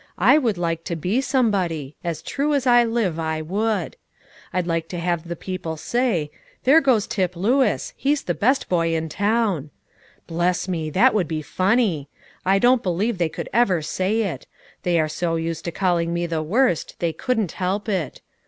I would like to be somebody, as true as I live, I would. I'd like to have the people say, 'There goes Tip Lewis; he's the best boy in town.' Bless me! that would be funny; I don't believe they could ever say it; they are so used to calling me the worst, they couldn't help it.